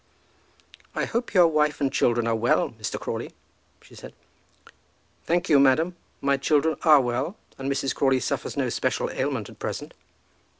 "I hope your wife and children are well, Mr. Crawley," she said. "Thank you, madam, my children are well, and Mrs. Crawley suffers no special ailment at present."